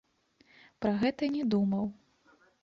Пра гэта не думаў.